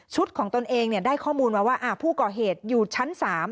ชุดของตนเองได้ความมูลว่าผู้ก่อเหตุอยู่ชั้นสาม